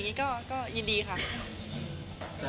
เรียกงานไปเรียบร้อยแล้ว